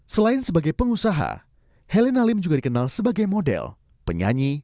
selain sebagai pengusaha heli nalim juga dikenal sebagai model penyanyi